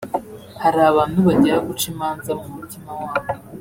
Hari abantu bagira guca imanza mu mutima wabo